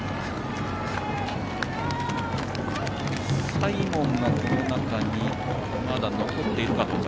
サイモンがこの中にまだ残っているかどうか。